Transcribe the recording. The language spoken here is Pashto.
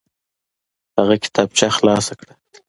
هغه کتابچه خلاصه کړه.